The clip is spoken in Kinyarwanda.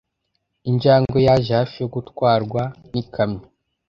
Injangwe yaje hafi yo gutwarwa n'ikamyo